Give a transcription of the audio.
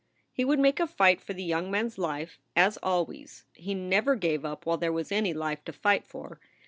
He would make a fight for the young man s life, as always; he never gave up while there was any life to fight for.